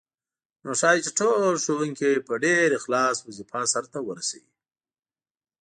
نو ښايي چې ټول ښوونکي په ډېر اخلاص وظیفه سرته ورسوي.